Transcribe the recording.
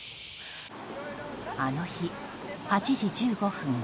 あの日、８時１５分。